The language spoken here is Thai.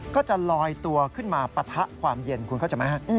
ก็จะลอยตัวขึ้นมาปะทะความเย็นคุณเข้าใจไหมฮะ